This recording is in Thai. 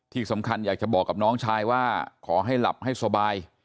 ที่สำคัญอยากจะบอกกับน้องชายว่าขอให้หลับให้สบาย